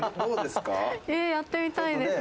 やってみたいです。